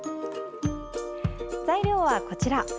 材料はこちら。